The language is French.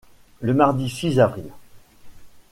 Le mardi six avril.